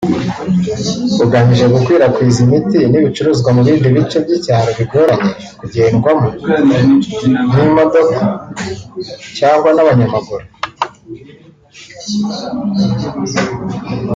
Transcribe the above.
ugamije gukwirakwiza imiti n’ibicuruzwa mu bindi bice by’icyaro bigoranye kugerwamo n’imodoko cyangwa n’abanyamaguru